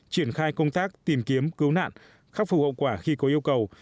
triển khai công tác tìm kiếm cứu nạn khắc phục hậu quả khi có yêu cầu